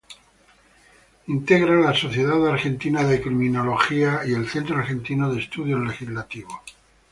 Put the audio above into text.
Integra la Sociedad Argentina de Criminología y el Centro Argentino de Estudios Legislativos.